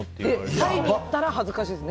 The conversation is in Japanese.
タイに行ったら恥ずかしいですね。